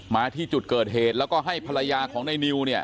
มาที่จุดเกิดเหตุแล้วก็ให้ภรรยาของในนิวเนี่ย